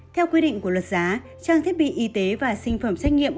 theo quy định của luật giá trang thiết bị y tế và sinh phẩm xét nghiệm